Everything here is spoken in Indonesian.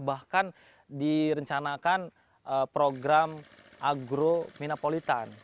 bahkan direncanakan program agro minapolitan